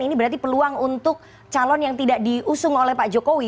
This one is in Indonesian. ini berarti peluang untuk calon yang tidak diusung oleh pak jokowi